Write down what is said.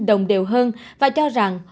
đồng đều hơn và cho rằng